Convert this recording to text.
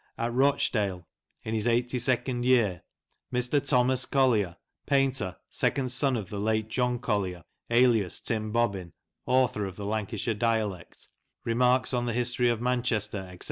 at Rochdale, in his 82nd year, Mr. Thomas Collier, painter, second son of the late John Collier, alias Tim Bobbin, Author of the " Lancashire Dialect," " Remarks on the History of Manchester," &c.